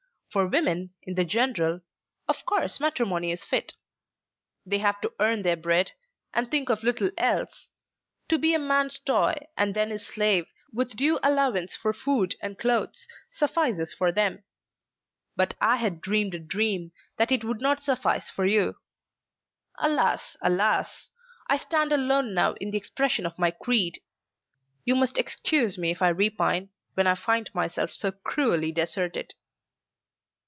For women, in the general, of course matrimony is fit. They have to earn their bread, and think of little else. To be a man's toy and then his slave, with due allowance for food and clothes, suffices for them. But I had dreamed a dream that it would not suffice for you. Alas, alas! I stand alone now in the expression of my creed. You must excuse me if I repine, when I find myself so cruelly deserted."